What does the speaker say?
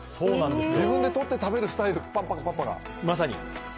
自分でとって食べるスタイル、パッパカパッパカ。